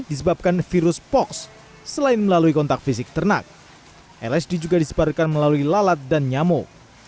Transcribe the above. disebabkan virus fox selain melalui kontak fisik ternak lsd juga diseparkan melalui lalat dan nyamuk